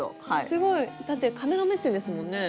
すごい！だってカメラ目線ですもんね。